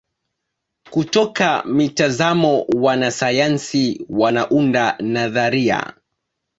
Kutoka mitazamo wanasayansi wanaunda nadharia.